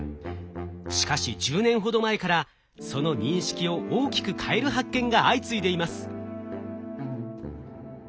しかし１０年ほど前からその認識を大きく変える発見が相次いでいます。